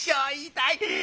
「痛い。